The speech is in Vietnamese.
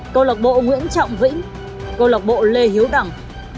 câu lạc bộ nguyễn trọng vĩnh câu lạc bộ lê hiếu đẳng